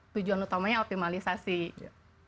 tujuan utamanya optimalisasi kualitas hidup